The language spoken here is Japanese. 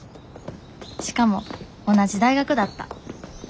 しかも同じ大学だった。